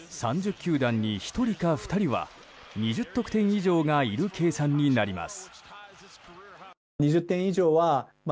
球団に１人か２人は２０得点以上がいる計算になります。